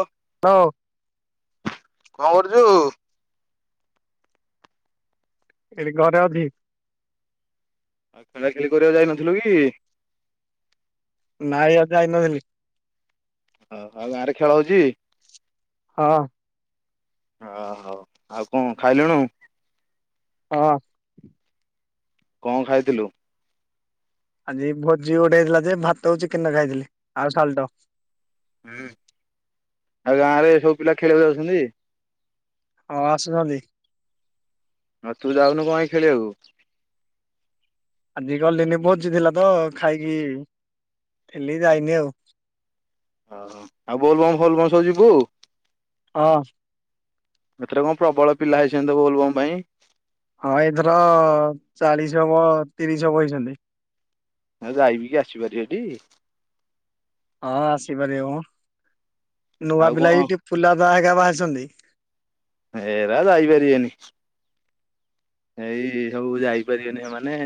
ଓ ହଉ। କଣ କରୁଛୁ? ଏ ଘରେ ଅଛି। ଆଉ ଖେଳା ଖେଳି କରିବାକୁ ଯାଇନଥିଲୁ କି? ନାଇଁ ଆଉ ଯାଇ ନଥିଲି। ଓ ଆଉ ଗାଁରେ ଖେଳ ହଉଛି। ହଁ। ଓ ହୋଉ ଆଉ କଣ ଖାଇଲୁନୁ। ହଁ କଣ ଖାଇଥିଲୁ। ଆଜି ଭୋଜି ଗୋଟେ ହେଇଥିଲା ଯେ ଭାତକୁ ଚିକେନ ଖାଇଥିଲି ଆଉ ସାାଲ୍ଟ। ହୁଁ ଆଉ ଗାଁ ରେ ସବୁ ପିଲା ଖେଳିବାକୁ ଯାଉଛନ୍ତି। ହଁ ଆସୁଛନ୍ତି। ହଁ ତୁ ଯାଉନୁ କଣପାଇ ଖେଳିବାକୁ। ଆଜି ଗଲିିନି ଭୋଜିଥିଲା ତ ଖାଇକି ଥିଲି ଯାଇନି ଆଉ। ଓ ଆଉ ବୋଲବମ୍ ଫୋଲବମ୍ ସବୁ ଯିବୁ। ହଁ ଏଥିର କଣ ପ୍ରବଳ ପିଲା ହେଇଛନ୍ତି ତ ଭୋଲବମ ପାଇଁ। ହଁ ଏଥର ଚାଳିସି ହବ ତିରିଶ ହବ ହେଇଛନ୍ତି। ଆଉ ଯାଇକି ଆସିପାରିବ ଟି। ହଁ ଆସିପାରିବ ମ ନୂଆ ଆଉ କଣ ପିଲା ଟିଫୁଲା ଦା ହା ବାହାରିଛନ୍ତି। ଏରା ଯାଇ ପାରିବେନି। ଏଇ ସବୁ ଯାଇପାରିବେନି ସେମାନେ।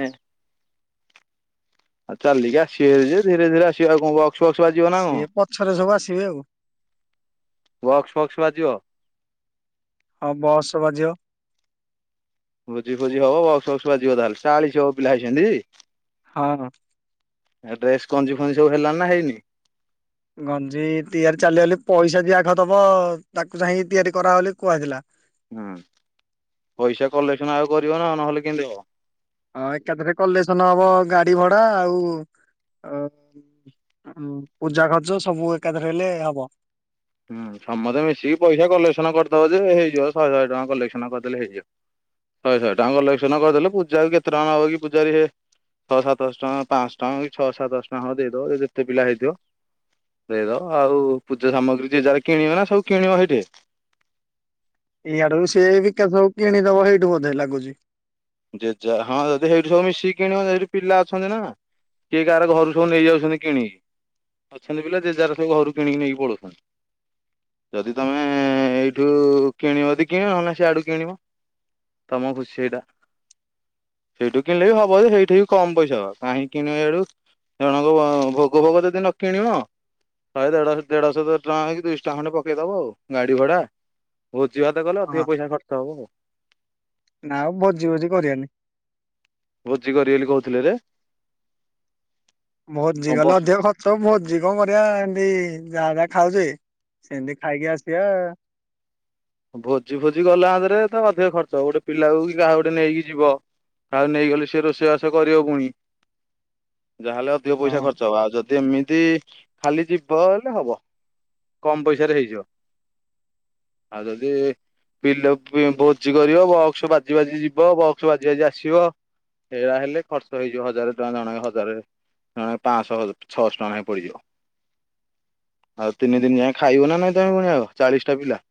ଆଉ ଚାଲିକି ଆସିବେ ଯେ ଧୀରେ ଧୀରେ ଆସିବେ କଣ ବକ୍ସ ଫକ୍ସ ବାଜିବ ନା କଣ। ସିଏ ପଛରେ ସବୁ ଆସିବେ ଆଉ ବକ୍ସ ଫକ୍ସ ବାଜିବ। ହ ବସ୍ ବାଜିବ। ଭୋଜି ଫୋଜି ହବ ବକ୍ସ ଫକ୍ସ ବାଯିବ ତାହେଲେ ଚାଳି ଶହ ପିଲା ହେଇଛନ୍ତି। ହଁ, ହଁ। ଡ୍ରେସ କଞ୍ଜି ଫଞ୍ଜି ସବୁ ହେଲା ନା ହେଇନି ଗଞ୍ଜି ତିଆରି ଚାଲୁ ହେଲେ ପଇସା ଜିଏ ଆଗ ଦବ ତାକୁ ଚାହିଁକି ତିଆରି କରା ହଲ ବୋଲି କୁହାହେଇ ଥିଲା। ହୁଁ, ପଇସା କଲେକ୍ସନ୍ ଆଉ କରିବ ନା ନ ହେଲେ କେମିତି ହବ। ହଁ, ଏକାଥରେ କଲେସନ ହବ ଗାଡି ଭଡା ଆଉ ଅ। ହଁ, ପୂଜା ଖର୍ଚ ସବୁ ଏକାଥରେ ହେଲେ ହବ। ହୁଁ, ସମସ୍ତେ ମିଶିକି ପଇସା କଲେକ୍ସନ କରିଦବ ଯେ ହେଇଯିବ ଶହେ ଶହେ ଟଙ୍କା କଲେକ୍ସନ କରିଦେଲେ ହେଇଯିବ। ଶହେ ଶହେ ଟଙ୍କା କଲେକ୍ସନ କରିଦଲେ ପୂଜା କୁ କେତେ ଟଙ୍କା ନବକି ପୂଜାରୀ ଜେ ଛଅ, ସାତ ଶହ ଟଙ୍କା ହବ, ପାଆଶହ ଟଙ୍କା, ଛଅ ସାତ, ସହ ଟଙ୍କା ହବ, ଦେଇଦବ ଯେତେ ପିଲା ହେଇଥିବ। ଦେଇ ଦବ ଆଉ ସେ ଆଉ ପୂଜା ସାମଗ୍ରୀ ଜି ଯାର କିଣିବ ନା ସବୁ କିଣିବ ସେଇଠି। ଇଆଡୁ ସେ ବିକାଶ ବାବୁ କିଣିଦବ ଏଇଠୁ ବୋଧେ ଲାଗୁଛି। ଜେଜ, ହଁ, ଯଦି ସେଇଠି ସବୁ ମିଶିକି କିଣିବ ସେଇଠି ପିଲା ଅଛନ୍ତି ନା କିଏ କାହାର ଘରୁ ସବୁ ନେଇଯାଉଛନ୍ତି କିଣିକି। ଅଛନ୍ତି ପିଲା ଯେ ଯାର ସବୁ ଘରୁ କିଣିକି ନେଇକି ପଳଉଛନ୍ତି। ଯଦି ତମେ ଏଇଠୁ କିଣିବ ଯଦି କିଣ ନ ହେଲେ ନାଇଁ ସିଆଡ଼ୁ କିଣିବ। ତମ ଭୁସେଇଟା। ସେଇଠୁ କିଣିଲେ ବି ହବ, ସେଇଠି ବି କମ୍ ପଇସା ହବ କାହିଁ କିଣିବ ଆଡୁ। ଜଣଙ୍କ ଭୋଗ ଫୋଗ ଯଦି ନ କିଣିବ ଶହେ ଦେଢଶହ ଦେଢଶହ ଟଙ୍କା କି ଦୁଇଶ ଟଙ୍କା ଖଣ୍ଡେ ପକେଇଦବ ଆଉ ଗାଡି ଭଡା। ଭୋଜି, ଭାତ କଲେ ଅଧିକ ହଁ। ପଇସା ଖର୍ଚ୍ଚ ହେବ ଆଉ। ନା ଆଉ ଭୋଜି ଫୋଜି କରିବନି। ଭୋଜି କରିବେ ବୋଲି କହୁଥିଲେ ଯେ। ଭୋଜି ହବ। କଲେ ଅଧିକ ଖର୍ଚ୍ଚ। ସବୁ ଭୋଜି କଣ କରିବା ଆ ଏମିତି ଯାହା ଯାହା ଖାଉଛେ ସେମତି ଖାଇକି ଆସିବା। ଭୋଜି ଫୋଜି ଗଲା ତରେ ତ ଅଧିକ ଖର୍ଚ୍ଚ ଗୋଟେ ପିଲାକୁ କାହାକୁ ଗୋଟେ ନେଇକି ଯିବ। ଆଉ ନେଇଗଲେ ସେ ରୋଷେଇ ବାସ କରିବ ପୁଣି ଯାହାହେଲେ ଅ ଅଧିକ ପଇସା ହଁ ଖର୍ଚ୍ଚ ହବ ଆଉ ଯଦି ଏମିତି। ଖାଲି ଯିବ ହେଲେ ହବ କମ ପଇସାରେ ହେଇଯିବ। ଆଉ ଯଦି। ବିଲ ଭୋଜି କରିବ ବକ୍ସ ବାଜି ବାଜି ଯିବ ବକ୍ସ ବାଜି ବାଜି ଆସିବ। ହେରା ହେଲେ ଖର୍ଚ୍ଚ ହେଇଯିବ ହଜାର ଟଙ୍କା ଜଣକେ ହଜାରେ। ଜନଙ୍କେ ପାଂଶ ଛଅଶ ଟଙ୍କା ନେଖେପଡିଯିବ। ଆଉ ତିନି ଦିନ ଯାଏ ଖାଇବ ନା ନାଇଁ ତମେ ପୁଣି ଆଉ ଚାଳିଶା ଟା ପିଲା?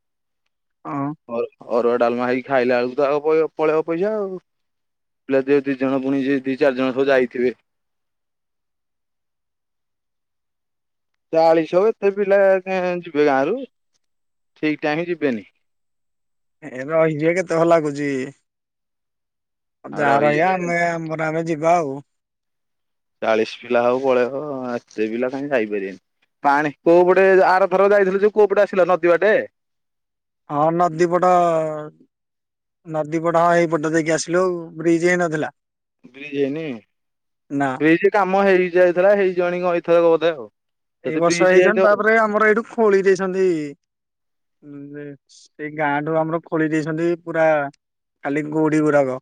ଅଁ ଅର ଅରୁଆ ଡାଲମା ହେଇିକି ଖାଇଲା ବେଳକୁ ତ ଆଉ ପଳେଇବା ପଇସା ଆଉ ପିଲା ଦି ଦି ଜଣ ପୁଣି ଯି ଦି ଚାରି ଜଣ ସବୁ ଯାଇଥିବେ। ଚାଳିଶ ହବ ଏତେ ପିଲା ଯିବେ ଗାଁ ରୁ ଠିକ ଟାଇମ୍ କୁ ଯିବେନି। ଏ ରହଯିବେ କେତେ ଭଲ ଲାଗୁଛି ଆଉ ଯା ରହିବା ରହିବେନି ଆମେ ଆମ ବା ଆମେ ଯିବା ଆଉ। ଚାଳିଶ ପିଲା ହଉ ପଳେଇବ ଏତେ ପିଲା କାହିଁ ଯାଇ ପାରିବେନି। ପାଣି କୋଉ ପଟେ ଆରଥର ଯାଇଥିଲେ ଯୋଉ କୋଉ ପଟେ ଆସିଲ ନଦୀ ବାଟେ? ହିଁ ନଦୀପଟ। ନଦୀ ପଟ ହଁ ହେଇ ପଟ ଦେଇକି ଆସିଲୁ ବ୍ରିଜ୍ ହେଇ ନଥିଲା। ବ୍ରିଜ ହେଇନି? ବ୍ରିଜ୍ କାମ ହେଇ ଯାଇଥିଲା ହେଇ ଜୀବଣୀ କଣ ଏଇଥରକ ବୋଧେ ଆଉ। ଏଇ ଯଦି ବର୍ଷ ବ୍ରିଜ ହେଇଛନ୍ତି ହେଇଯାଇଥିବ ତାପରେ ଆମର ଏଇଠୁ ଖୋଳି ଦେଇଛନ୍ତି ସେଇ ଗାଁ ଠୁ ଆମର ଖୋଳି ଦେଇଛନ୍ତି ପୁରା ଖାଲି ଗୋଡି ଗୁଡାକ।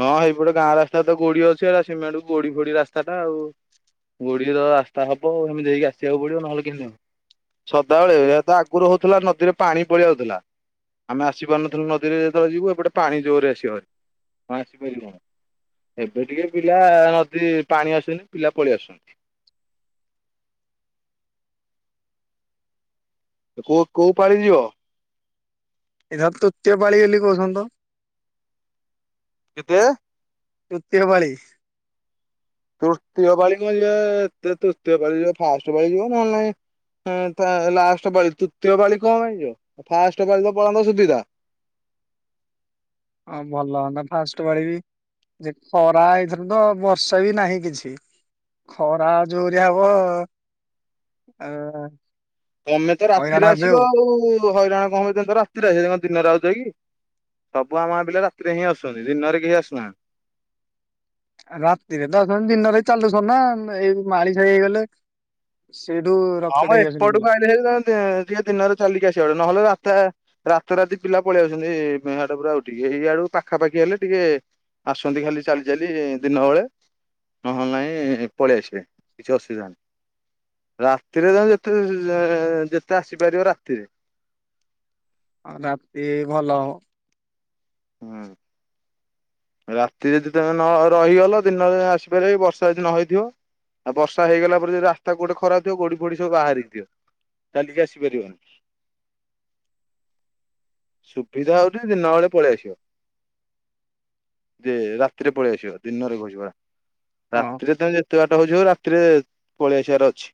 ହଁ ହେଇପଟେ ଗାଁ ରାସ୍ତାରେ ତ ଗୋଡି ଅଛି ଆ ସିମେଣ୍ଟ କୁ ଗୋଡି ଫୋଡି ରାସ୍ତାଟା ଆଉ। ଗୋଡ଼ିର ରାସ୍ତା ହବ ଏମିତି ହେଇକି ଆସିବାକୁ ପଡିବ ନହେଲେ କିମିତି ହବ। ସଦାବେଳେ ଏ ତ ଆଗରୁ ହଉଥିଲା ନଦୀରେ ପାଣି ପଳି ଆଉଥିଲା ଆମେ ଆସିପାରୁନଥିଲୁ ନଦୀରେ ଯେତେବେଳେ ଯିବୁ ଏପଟେ ପାଣି ଜୋରରେ ଆସିବା ହେରି। ହଁ ଆସିପାରିବି। ଏବେ ଟିକେ ପିଲା ନଦୀ ପାଣି ଆସୁନି ପିଲା ପଳେଇ ଆସୁଛନ୍ତି। କୋ କୋଉ ପାଳି ଯିବ? ଏଥର ତୃତୀୟ ପାଳି ବୋଲି କହୁଛନ୍ତି ତ। କେତେ? ତୃତୀୟ ପାଳି। ତୃତୀୟ ପାଳି କନ୍ ଯିବା ଏତେ ତୃତୀୟ ପାଳି ଯିବା ଫାଷ୍ଟ ପାଳି ଯିବ ନହେଲେ ନାଇଁ। ହୁଁ ତା ଲାଷ୍ଟ ପାଳି ତୃତୀୟ ପାଳି ପାଳି କନ ପାଇଁ ଯିବ? ଫାଷ୍ଟ ବାଳି ତ ପଳନ୍ତ ସୁବିଧା। ହ ଭଲ ହୁଅନ୍ତା ଫାଷ୍ଟ ପାଳି ବି। ଯେ ଖରା ଏଇଥର ତ ବର୍ଷା ବି ନାହିଁ କିଛି। ଖରା ଜୋରିଆ ହବ ଆଁ ତମେ ତ ରାତିରେ ଆସିବ ଆଉ ହଇରାଣ କଣ ହବ ରାତିରେ ଆସିବ ତା ଦିନରେ ଆଉ ଚ କି? ସବୁ ଆମ ଗାଁ ପିଲା ରାତିରେ ହିଁ ଆସୁଛନ୍ତି ଦିନରେ କେହି ଆସୁନାହାନ୍ତି। ରାତିରେ ତ ଆଉଶନ୍ତି ଦିନରେ ଚାଲୁ ସନ୍ତି ନା ଏଇ ମାଳିଶାଇ ହେଇଗଲେ ସେଇଠୁ ହଁ ରକେଟ ମ ହେଇ ଆସୁଛନ୍ତି ପିଲା ଏପଟକୁ ଆଇଲେ ହେରି ତମେ ଦିନରେ ଚାଲିକି ଆସିବ ହେରି ନହେଲେ ରାତେ ରାତି ରାତି ପିଲା ପଳେଇଆଉଛନ୍ତି ଇଆ ରେ ପୁରା ଉଠିକି ଏଇଆଡୁ ପାଖାପାଖି ହେଲେ ଟିକେ ଆସୁଛନ୍ତି ଖାଲି ଚାଲି ଚାଲି ଦିନବେଳେ। ନହେଲେ ନାଇଁ ପଳେଇ ଆସିବେ କିଛି ଅସୁବିଧା ନାହିଁ ରା ରାତିରେ ତମ ଯେତେ ଯେତେ ଆସିପାରିବ ରାତିରେ ଆଉ ରାତି ଭଲହବ। ହୁଁ। ରାତି ରେ ଯଦି ତମେ ନ ରହିଗଲ ଦିନରେ ଆସିପାରିବ ବର୍ଷା ଯଦି ନ ହେଇଥିବ। ଆଉ ବର୍ଷାଇଗଲା ପରେ ଯଦି ରାସ୍ତା ଗୋଟେ ଖରା ଥିବ ଗୋଡି ଫୋଡି ସବୁ ବାହାରିଥିବ। ଚାଲିକି ଆସିପାରିବନି। ସୁବିଧା ହଉଛିି ଦିନ ବେଳେ ପଳେଇ ଆସିବ। ଯେ ରାତିରେ ପଳେଇ ଆସିବ ଦିନରେ କହୁଛି ପରା ହଁ ରାତିରେ ତମେ ଯେତେ ବାଟ ହଉଚି ହଉ ରା ତ୍ରିରେ ପଳି ଆସିବାର ଅଛି।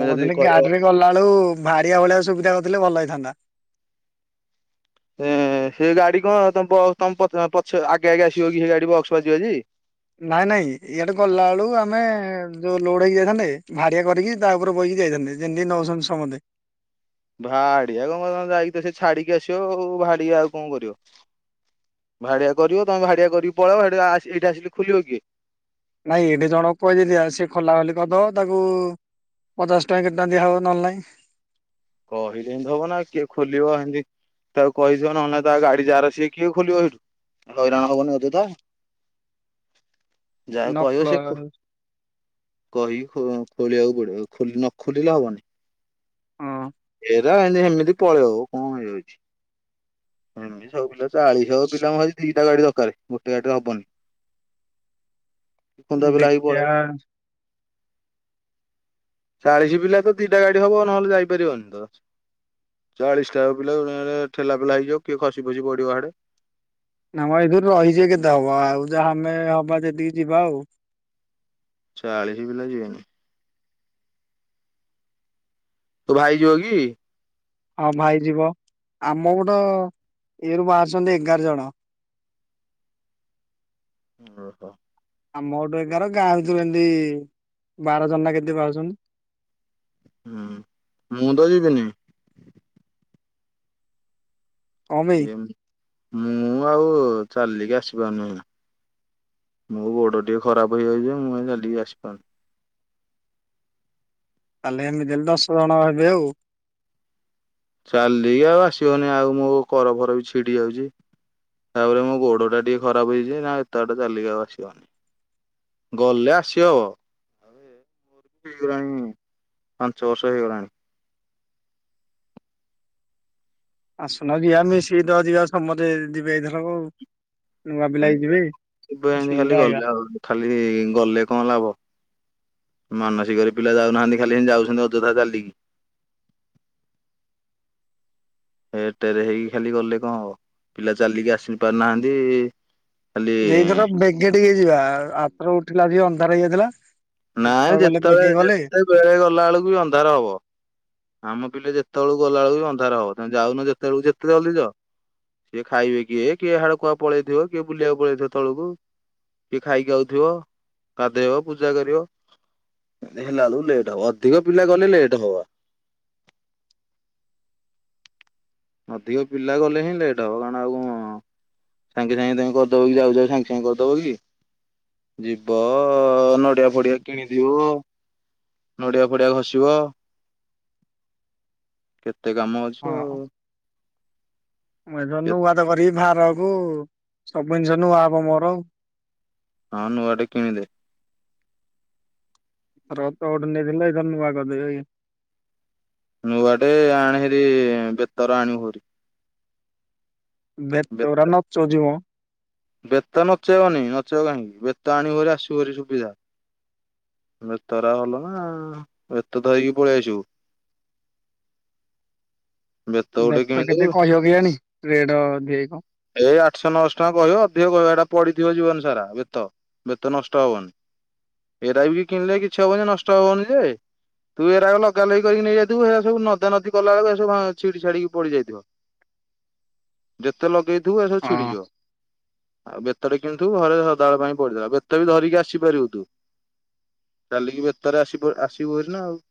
ମୁଁ ଯଦି କହୁଥିଲି କହିବ ଗାଡି ରେ ଗଲାବେେଳୁ ଭାଡିଆ ଭଳିଆ ସୁବିଧା କରିଥିଲେ ଭଲ ହେଇଥାନ୍ତା। ଏ ସେ ଗାଡି କଣ ତମ ପ ତମ ପ୍ ପଛ ଆଗେ ଆଗେ ଆସିବ କି ସେ ଗାଡି ବକ୍ସ ବାଯିବଜି। ନାଇଁ ନାଇଁ ଇଆଡେ ଗଲା ବେଳକୁ ଆମେ ଯୋଉ ଲୋଡ ହେଇି ଯାଇଥାନ୍ତେ ଭାଡିଆ କରିକି ତା ଉପରେ ବଇକି ଯାଇଥାନ୍ତେ। ଯେମତି ନଉଛନ୍ତି ସମତେ। ଭାଡିଆ କଣ କ ଯାଇକି ତ ସେ ଛାଡିକି ଆସିବ ଆଉ ଭାଡିକି ଆଉ କଣ କରିବ। ଭାଡ଼ିଆ କରିବ ତୁମେ ଭାଡ଼ିଆ କରିକି ପଳେଇବ [unintelligible] ଏଇଠି ଆସିକୀ ଖୋଲିବ କିଏ? ନାଇଁ ଏଠି ଜଣ କହି ଦେଇଥିବା ସି ଖୋଲା ଖୋଲି କଦ। ତାକୁ ପଚାଶ ଟଙ୍କା କେତେ ଦିଆ ହେବ। ନହେଲେ ନହିଁ କହିଲେ ଏମତି ହବ ନା କିଏ ଖୋଲିବ, ହେମିତି ତାକୁ କହିଥିବ ନହେଲେ ତା ଗାଡି ଯାହାର ସିଏ କିଏ ଖୋଲିବ ସେଇଠୁ ହଇରାଣ ହବନି ଅଯତା? ନ ଯାହା କହିବ ଶିଏ ଖୋ ପ୍ଲ- କହିି ଖୋଳିବାକୁ ପଡିବ ଖ ନ ଖୋଲିଲେ ହବନି। ହଁ ସେଇ ଏତି ସେମିତି ପଳେଇ ଆବ କଣ ହେଇଯାଉଛି? ଏମିତି ସବୁ ପିଲା ଚାଳିଶହ ପିଲା ମଜି ଦିଟା ଗାଡି ଦରକାର ଗୋଟେ ଗାଡିରେ ହବନି। ଖନ୍ଦା ପିଲା ହେଇ ଦେଖିଆ ପଳେଇବ। ଚାଳିଶ ପିଲା ତ ଦିଟା ଗାଡି ହବ ନହେଲେ ଯାଇପାରିବନି ତ। ଚାଳିଶଟା ପିଲା ଠେଲା ପେଲା ହେଇଯିବ କିଏ ଖସି ଫସି ପଡିବ ହେଆଡେ। ନା ମ ଏଇଥିରୁ ରହିଯିବେ କେତେ ହବ ଆଉ ଯାହା ଆମେ ହବା ଯେତିକି ଯିବା ଆଉ। ଚାଳିଶ ପିଲା ଯିବେନି। ତୋ ଭାଇ ଯିବ କି? ହଁ ଭାଇ ଯିବ, ଆମ ପଟ ଇଏରୁ ବାହାରୁଛନ୍ତି ଏଗାର ଜଣ। ଓହ ଆମ ଏଠୁ ଏଗାର ଗାଁ ଭିତୁରୁ ଏମତି ବାର ଜଣ ନା କେତେ ବାହାରୁଛନ୍ତି। ହୁଁ ମୁଁ ତ ଯିବିନି। କଣ ପାଇଁ ଏମ୍ ମୁଁ ଆଉ ଚାଲିକି ଆସିପାରୁ ନାହିଁ। ମୋ ଗୋଡୋ ଟିକିେ ଖରାପ ହେଇଯାଇଛି ଯେ ମୁଁ ଆଉ ଚାଲିକି ଆସିପାରୁନି। ତାହେଲେ ଏମିତି ହେଲେ ଦଶ ଜଣ ହେବେ ଆଉ। ଚାଲିକି ଆଉ ଆସିହଉନି ଆଉ ମୋ କର ଫର ବି ଛିଡି ଯାଉଛି। ତାପରେ ମୋ ଗୋଡୋ ଟା ଟିକେ ଖରାପ ହେଇଛି ଯେ ନା ଏତେ ବାଟ ଚାଲିକି ଆଉ ଆସିହଵନି। ଗଲେ ଆସି ହବ। ହେଇଗଲାଣି ପାଞ୍ଚ ବର୍ଷ ହେଇଗଲାଣି। ଆସୁନ ଯିବା ମିସିକି ଚ ଯିବା ସମସ୍ତେ ଯିବେ ଏଇ ଦିନକ ଆଉ। ନୂଆ ପିଲାଵି ଯିଵେ ଏବେ ଏମିତି ସି ଖାଲି ଯିବା ଗଲେ ଆଇବା। ଆଉ ଖାଲି ଗଲେ କଣ ଲାଭ? ମାନସିକରେ ପିଲା ଯାଉନାହାନ୍ତି ଖାଲି ସେମିତି ଯାଉଛନ୍ତି ଅଯଥା ଚାଲିକି। ହେର୍ ଟେର୍ ହେଇକି ଖାଲି ଗଲେ କଣ ହବ? ପିଲା ଚାଲିକି ଆସି ପାରୁନାହାନ୍ତି। ଖାଲି ଏଇଥର ବେଗେ ଟିକେ ଯିବା ଆାରଥର ଉଠିଲା ଆସିକି ଅନ୍ଧାର ହେଇଯାଇଥିଲା। ନାଇଁ ଏଥର ଗଲେ ଯେତେବେଳେ ବେଗେ ଗଲେ ଯେତେ ବେଳେ ଗଲା ବେଳକୁ ବି ଅନ୍ଧାର ହବ। ଆମ ପିଲେ ଯେତେବେଳୁକୁ ଗଲା ବେଳୁକୁ ବି ଅନ୍ଧାର ହବ, ତମେ ଯାଉନ ଯେତେବେଳୁକୁ ଯେତେ ଜଲ୍ଦି ଯାଅ। କିଏ ଖାଇବେ କିଏ କିଏ ହାଡେ କୁଆଡେ ପଳେଇଥିବ କିଏ ବୁଲିବାକୁ ପଳେଇଥିବ ତଳକୁ। କିଏ ଖାଇକି ଆାଉଥିବ, ଗାଧେଇବ ପୂଜା କରିବ। ହେଲା ବେଳକୁ ଲେଟ୍ ହବ, ଅଧିକ ପିଲା ଗଲେ ଲେଟ୍ ହବ। ଅଧିକ ପିଲା ଗଲେ ହିଁ ଲେଟ୍ ହେବ କାରଣ ଆଉ କଣ। ସାଙ୍ଗେ ସାଙ୍ଗେ ତାମେ କରିଦବ କି ଯାଉ ଯାଉ ସାଙ୍ଗେ ସାଙ୍ଗେ କରିଦବ କି? ଯିବ ନଡ଼ିଆ ଫଡିଆ କିଣିଥିବ, ନଡିଆ ଫଡିଆ ଘଷିବ, କେତେ କାମ ଅ ହଁ ଆଛା ଆଉ ମୁଁ ଏଥର କେ ନୁଆ ତ କରିବି ବାହାର ହଵ, ସବୁ ଜିନିଷ ନୁଆ ହବ ମୋର ଆଉ। ହଁ ନୂଆଟେ କିଣଦେ। [unintelligible] ନୂଆଟେ ଆଣଭାରି ବେତର ଆଣିବୁ ଭାରି। ଵେତରା ବେତ ନଚଉଚି ମ। ବେତ ନଚେଇବନି ନଚେଇବ କାହିଁକି, ବେତ ଆଣିବୁ ଭାରି ଆସିବୁଭାରି ସୁବିଧା। ବେତରା ଭଲ ନା, ବେତ ଧରିକି ପଳେଇ ଆସିବୁ। [inaudible] ଗୋଟେ ବେତ କିଣିଦବୁ କେତେ କହିବ କେଜାଣି, ରେଟ ଅଧିକା କି କଣ ଏ ଆଠଶହ ନଅଶହ ଟଙ୍କା କହିବ। କିଏ କହିଵ ଏଟା ପଡିଥିବ ଜୀବନ ସାରା, ବେତ ବେତ ନଷ୍ଟ ହବନି। ଏରା ବି କିଣିଲେ କିଛି ହବନି ଯେ ନଷ୍ଟ ହବନି ଯେ। ତୁ ଏଇରାକ ଲଗା ଲଗି କରିକି ନେଇଯାଇଥୁଵୁ ଏରାସବୁ ନଦା ନଦୀ କଲା ଵେଳୁକୁ ଏ ସବୁ ହଁ ଛିଡି ଛାଡିକି ପଡିଯାଇଥିବ। ଯେତେ ଲଗେଇଥିବୁ ହେସବୁ ହଁ। ଛିଡିଯିବ। ଆଉ ବେତ ଟେ କିଣିଥିବୁ ଘରେ ସଦାଵେଳ ପାଇଁ ପଡିଥିଲା, ବେତ ବି ଧରିକି ଆସିପାରିବୁ ତୁ। ଚାଲିକି ବେତରେ ଆସିପ ଆସିବୁଭାରି ନା ଆଉ।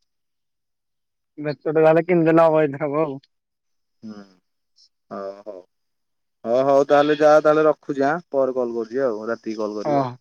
ବେତଟେ ଯାହେଲେ କିଣିଦେନେ ହବ ଏଇଠେ ହବ ଆଉ। ହୁଁ ହ ହଉ। ହ ହଉ ତାହେଲେ ଯା ତାହେଲେ ରଖୁଛି ଆ ପରେ କଲ କରୁଛି ଆଉ ରାତିକି କଲ୍ କରିବି ହଁ। ଆଉ।